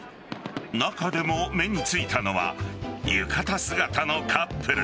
中でも目についたのは浴衣姿のカップル。